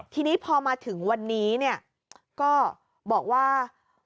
ทีนี้พอมาถึงวันนี้เนี่ยก็บอกว่า